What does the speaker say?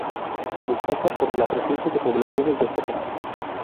Destaca por la presencia de poblaciones de focas.